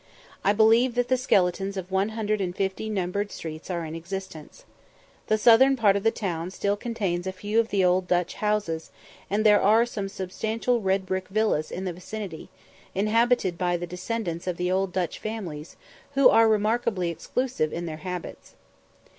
I believe that the skeletons of one hundred and fifty numbered streets are in existence. The southern part of the town still contains a few of the old Dutch houses, and there are some substantial red brick villas in the vicinity, inhabited by the descendants of the old Dutch families, who are remarkably exclusive in their habits.